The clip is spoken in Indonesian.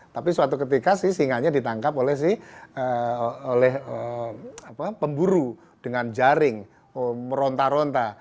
tapi suatu ketika singanya ditangkap oleh pemburu dengan jaring meronta ronta